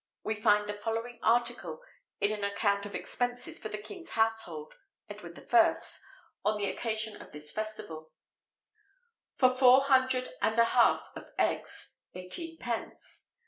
We find the following article in an account of expenses for the king's household (Edward I.) on the occasion of this festival: "For four hundred and a half of eggs, eighteen pence."